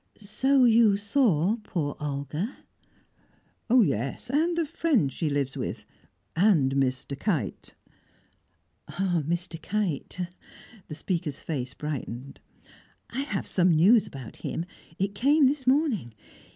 "So you saw poor Olga?" "Yes, and the friend she lives with and Mr. Kite." "Ah! Mr. Kite!" The speaker's face brightened. "I have news about him; it came this morning.